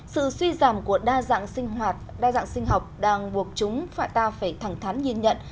sự suy giảm của đa dạng sinh hoạt đa dạng sinh học đang buộc chúng phải ta phải thẳng thắn nhìn nhận